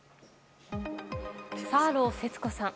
サーロー節子さん。